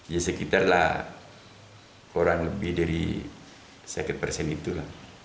di sekitar lah kurang lebih dari sekit persen itulah